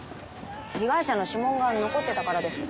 被害者の指紋が残ってたからです